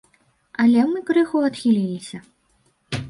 Але мы крыху адхіліліся.